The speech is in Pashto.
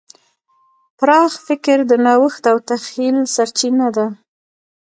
پراخ فکر د نوښت او تخیل سرچینه ده.